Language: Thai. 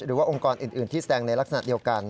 องค์กรอื่นที่แสดงในลักษณะเดียวกัน